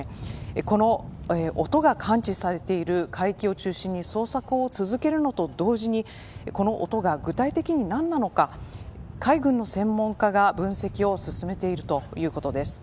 この音が感知されている海域を中心に捜索を続けるのと同時にこの音が具体的に何なのか海軍の専門家が分析を進めているということです。